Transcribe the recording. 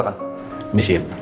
pa eh boleh saya ikut masuk ke